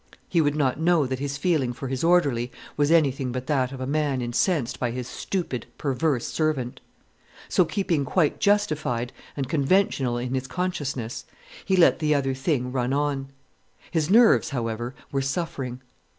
He would not know that his feeling for his orderly was anything but that of a man incensed by his stupid, perverse servant. So, keeping quite justified and conventional in his consciousness, he let the other thing run on. His nerves, however, were suffering.